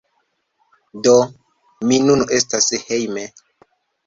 Do, mi nun estas hejme